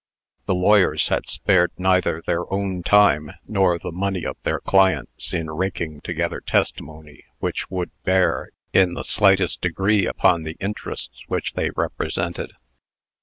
The lawyers had spared neither their own time nor the money of their clients in raking together testimony which would bear in the slightest degree upon the interests which they represented.